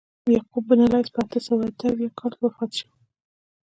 یعقوب بن لیث په اته سوه اته اویا کال کې وفات شو.